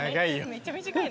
めっちゃ短い。